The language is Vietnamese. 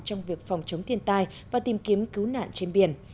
trong việc phòng chống thiên tai và tìm kiếm cứu nạn trên biển